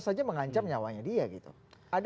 saja mengancam nyawanya dia gitu ada